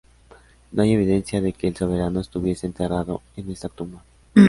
No hay evidencia de que el soberano estuviese enterrado en esta tumba.